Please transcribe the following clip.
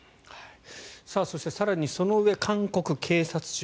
そして、更にその上韓国警察庁